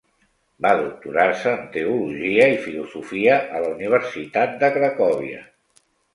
Va doctorar-se en teologia i filosofia a la Universitat de Cracòvia.